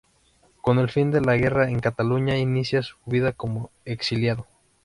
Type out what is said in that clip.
Con el fin de la guerra en Cataluña inicia su vida como exiliado.